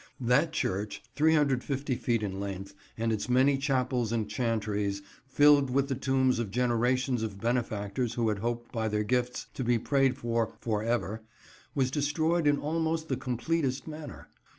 That church, 350 feet in length, and its many chapels and chantries, filled with the tombs of generations of benefactors who had hoped by their gifts to be prayed for "for ever," was destroyed in almost the completest manner.